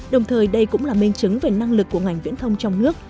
đồng thời đây cũng là minh chứng về năng lực của ngành viễn thông trong nước